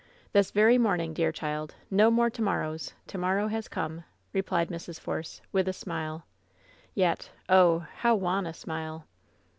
"This very morning, dear child I No more to mor rows! To morrow has come!" replied Mrs. Force, with a smile — ^yet, oh! how wan a smile!